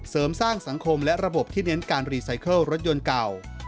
เสริมสร้างสังคมและระบบที่เน้นการรีไซเคิลรถยนต์เก่า